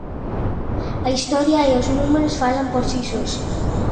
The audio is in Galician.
A historia e os números falan por si sós.